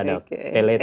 oh ya pay letter